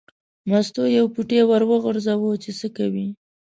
مستو یو پوټی ور وغورځاوه چې څه کوي.